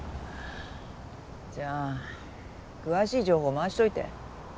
じゃあ詳しい情報回しといて。